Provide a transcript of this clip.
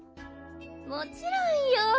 もちろんよ。